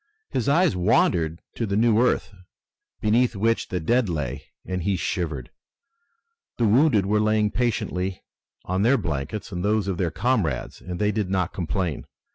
His eyes wandered to the new earth, beneath which the dead lay, and he shivered. The wounded were lying patiently on their blankets and those of their comrades and they did not complain.